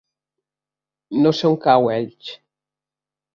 No sé on cau Elx.